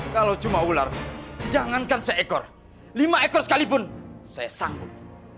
kalau cuma ular jangankan seekor lima ekor sekalipun saya sanggup